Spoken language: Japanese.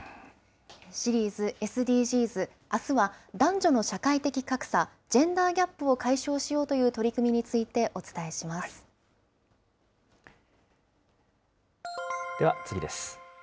シリーズＳＤＧｓ、あすは男女の社会的格差、ジェンダーギャップを解消しようという取り組みについてお伝えしでは次です。